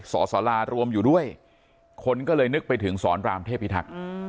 สอมสาระรวมอยู่ด้วยคนก็เลยนึกไปถึงสอนรามเทพพิธค